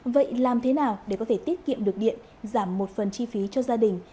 vậy làm thế nào để có thể tiết kiệm được điện giảm một phần chi phí cho gia đình